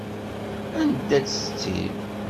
Anda-tt setti-m?